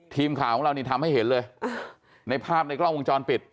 ทีมข่าวของเรานี่ทำให้เห็นเลยในภาพในกล้องวงจรปิด